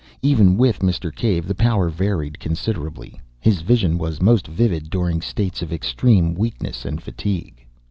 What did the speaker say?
Even with Mr. Cave the power varied very considerably: his vision was most vivid during states of extreme weakness and fatigue.